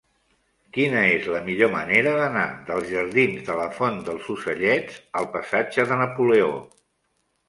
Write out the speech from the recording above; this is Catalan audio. Quina és la millor manera d'anar dels jardins de la Font dels Ocellets al passatge de Napoleó?